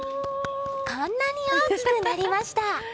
こんなに大きくなりました。